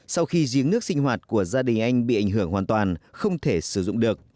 sau khi giếng nước sinh hoạt của gia đình anh bị ảnh hưởng hoàn toàn không thể sử dụng được